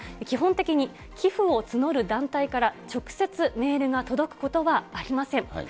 基本的に寄付を募る団体から直接メールが届くことはありません。